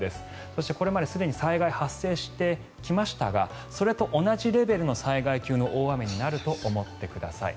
そしてこれまですでに災害発生してきましたがそれと同じレベルの災害級の大雨になると思ってください。